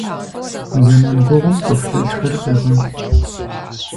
Зэман гугъум цӏыху лъэщхэр къегъэщӏ.